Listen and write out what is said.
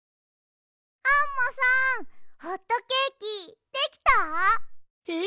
アンモさんホットケーキできた？へ？